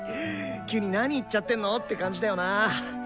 急になに言っちゃってんのって感じだよな！